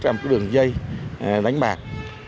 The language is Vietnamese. làm cái đường dây đánh bạc